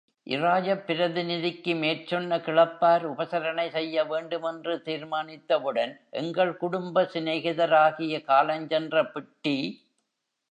இராஜப்பிரதிநிதிக்கு மேற்சொன்ன கிளப்பார் உபசரணை செய்ய வேண்டு மென்று தீர்மானித்தவுடன் எங்கள் குடும்ப சிநேகிதராகிய காலஞ்சென்ற பிட்டி.